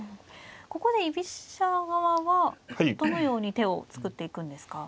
ここで居飛車側はどのように手を作っていくんですか。